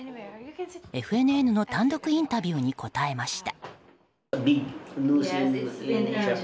ＦＮＮの単独インタビューに答えました。